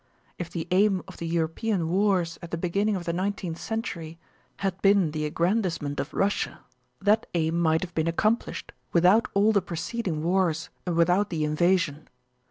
If the aim of the European wars at the beginning of the nineteenth century had been the aggrandizement of Russia, that aim might have been accomplished without all the preceding wars and without the invasion.